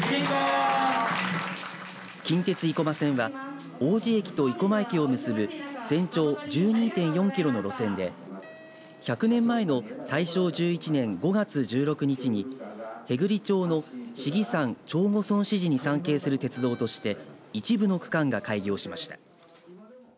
近鉄生駒線は王寺駅と生駒駅を結ぶ全長１２．４キロの路線で１００年前の大正１１年５月１６日に平群町の信貴山朝護孫子寺に参詣する鉄道として一部の区間が開業しました。